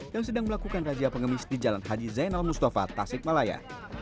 yang sedang melakukan razia pengemis di jalan haji zainal mustafa tasikmalaya